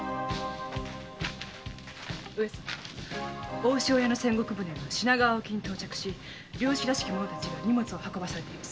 大潮屋の千石船が品川沖に到着し漁師らしき者たちが荷物を運ばされています。